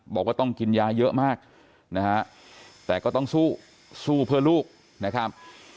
บอกว่าต้องกินยาเยอะมากนะฮะแต่ก็ต้องสู้สู้เพื่อลูกนะครับ